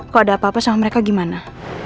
kalau ada apa apa sama mereka gimana